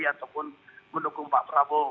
ataupun mendukung pak prabowo